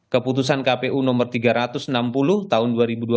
keputusan kpu nomor tiga ratus enam puluh tahun dua ribu dua puluh